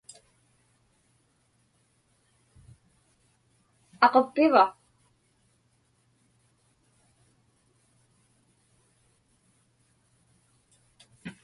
Aquppiva?